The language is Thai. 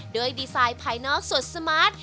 โดยดีไซน์ภายนอกสดสมาร์ท